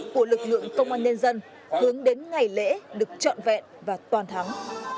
của lực lượng công an nhân dân hướng đến ngày lễ được trọn vẹn và toàn thắng